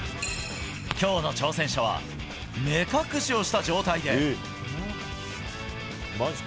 きょうの挑戦者は、目隠しをした状態で。